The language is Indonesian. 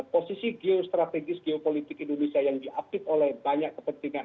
posisi geostrategis geopolitik indonesia yang diakit oleh banyak kepentingan